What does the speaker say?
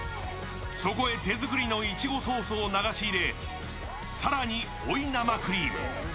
そこへ手作りのいちごソースを流し入れ、更に追い生クリーム。